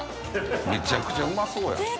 めちゃくちゃうまそうやん。